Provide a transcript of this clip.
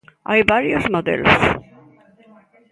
Hai varios modelos.